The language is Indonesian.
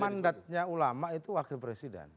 mandatnya ulama itu wakil presiden